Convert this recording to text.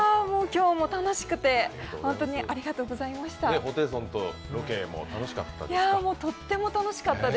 今日も楽しくて、本当にありがとうございました。